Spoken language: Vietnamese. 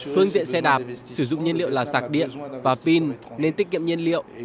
phương tiện xe đạp sử dụng nhiên liệu là sạc điện và pin nên tích kiệm nhiên liệu